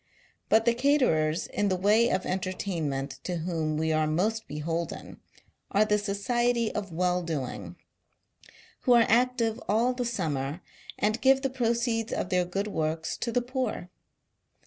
But, the caterers in the way of entertainment to whom we are most beholden, are the Society of Welldoing, who are active all the summer, and give the proceeds of their good works to the poor.